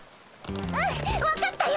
うん分かったよ。